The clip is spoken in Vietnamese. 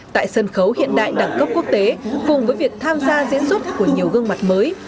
tại sân khấu hiện đại đẳng cấp quốc tế cùng với việc tham gia diễn xuất của nhiều gương mặt mới